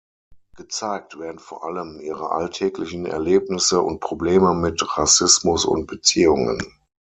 Gezeigt werden vor allem ihre alltäglichen Erlebnisse und Probleme mit Rassismus und Beziehungen.